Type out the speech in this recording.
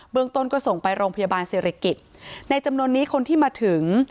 เมืองต้นก็ส่งไปโรงพยาบาลศิริกิจในจำนวนนี้คนที่มาถึง